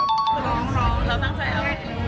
ร้องเราตั้งใจเอา